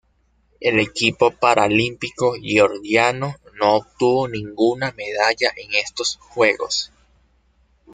El equipo paralímpico georgiano no obtuvo ninguna medalla en estos Juegos.